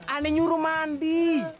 aneh nyuruh mandi